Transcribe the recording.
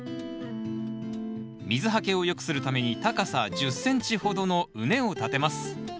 水はけをよくするために高さ１０ｃｍほどの畝を立てます。